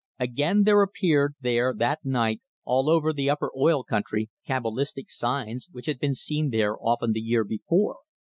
Again there appeared there, that night, all over the upper oil country, cabalistic signs, which had been seen there often the year before.